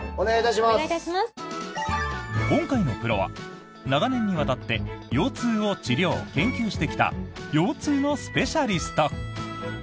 今回のプロは、長年にわたって腰痛を治療・研究してきた腰痛のスペシャリスト。